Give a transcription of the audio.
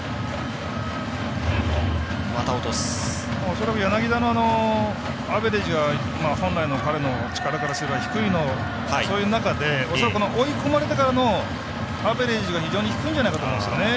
恐らく柳田のアベレージは本来の彼の力からすれば低いという中で追い込まれてからのアベレージが非常に低いんじゃないかなと思います。